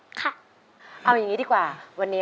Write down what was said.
อยากให้คุณแม่มีทุกอย่างที่ดี